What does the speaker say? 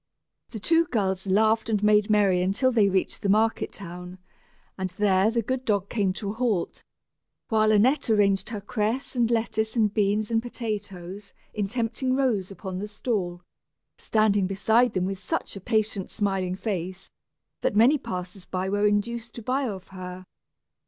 The two girls laughed and made merry until they reached the market town, and there the good dog came to a halt, while Annette arranged her cress and lettuces and beans and potatoes in tempting rows upon the stall standing beside them with such a patient smiling face, that many passers by were induced to buy of her.